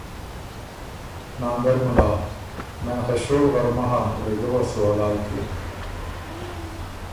ناندر مُلا ـــ”مېن خه ݭول غرمۀ هۀ۔ وېګۀ وه سو حلال کيېن“